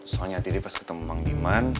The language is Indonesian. soalnya tidi pas ketemu bang diman